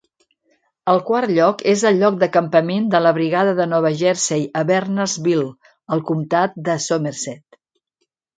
El quart lloc és el lloc d'acampament de la Brigada de Nova Jersey a Bernardsville, al comtat de Somerset.